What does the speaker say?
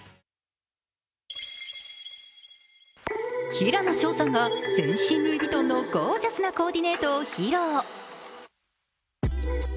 平野紫耀さんが全身ルイ・ヴィトンのゴージャスなコーディネートを披露。